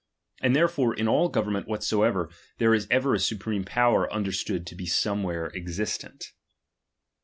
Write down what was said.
And therefore in all government whatsoever, there is ever a supreme power under stood to be somewhere existent.